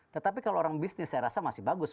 tetapi kalau orang bisnis saya rasa masih bagus